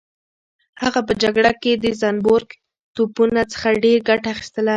هغه په جګړه کې د زنبورک توپونو څخه ډېره ګټه اخیستله.